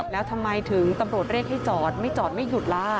แล้วทำไมถึงตำรวจเรียกให้จอดไม่จอดไม่หยุดล่ะ